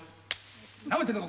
なめてんのか？